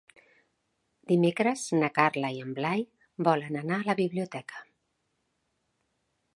Dimecres na Carla i en Blai volen anar a la biblioteca.